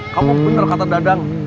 kamu bener kata dadang